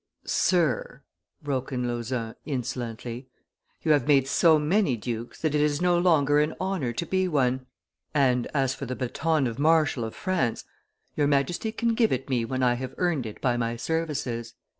"Sir," broke in Lauzun, insolently, "you have made so many dukes that it is no longer an honor to be one, and as for the baton of marshal of France, your Majesty can give it me when I have earned it by my services."